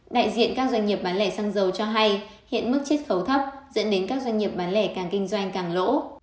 đại diện các doanh nghiệp bán lẻ xăng dầu cho hay hiện mức chiết khấu thấp dẫn đến các doanh nghiệp bán lẻ càng kinh doanh càng lỗ